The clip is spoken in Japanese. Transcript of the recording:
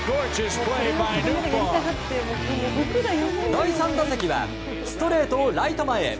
第３打席はストレートをライト前へ。